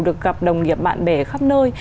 được gặp đồng nghiệp bạn bè khắp nơi